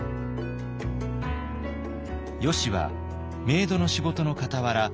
よしはメイドの仕事のかたわら